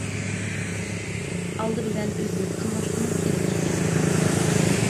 ئالدى بىلەن ئۆزىمىز قىلماسلىقىمىز كېرەك ئىكەن.